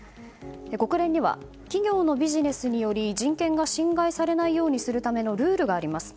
国連には企業のビジネスにより人権が侵害されないようにするためのルールがあります。